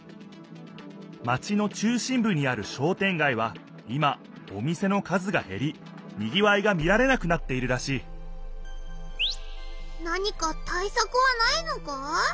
マチの中心ぶにある商店街は今お店の数がへりにぎわいが見られなくなっているらしい何かたいさくはないのか？